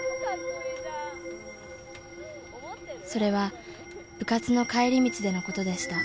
［それは部活の帰り道でのことでした］